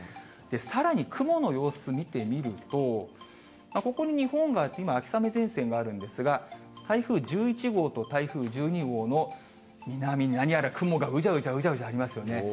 さらに雲の様子見てみると、ここに日本があって、今、秋雨前線があるんですが、台風１１号と台風１２号の南に何やら雲がうじゃうじゃうじゃうじゃありますよね。